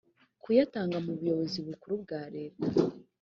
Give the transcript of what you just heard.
kuyatanga mu buyobozi bukuru bwa leta